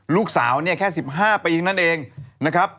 ลูกสาวเนี่ยแค่๑๕ปีเท่านั้นเองนะครับ